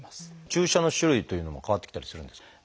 注射の種類というのも変わってきたりするんですか？